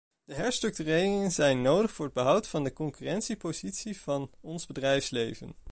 De herstructureringen zijn nodig voor het behoud van de concurrentiepositie van ons bedrijfsleven.